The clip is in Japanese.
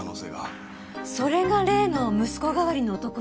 それが例の息子代わりの男ね。